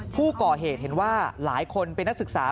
ผู้ก่อเหตุเห็นว่าหลายคนเป็นนักศึกษา